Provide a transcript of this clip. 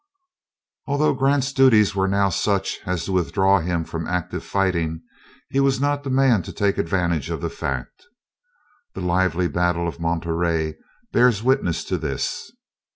Although Grant's duties were now such as to withdraw him from active fighting, he was not the man to take advantage of the fact. The lively battle at Monterey bears witness of this.